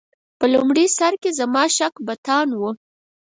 په لومړي سر کې زما شک بتان و.